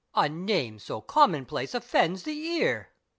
A name so commonplace offends the ear.